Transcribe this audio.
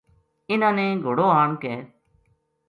اِنھاں نے گھوڑو آن کے